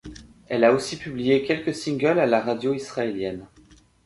Elle a aussi publié quelques singles à la radio israélienne.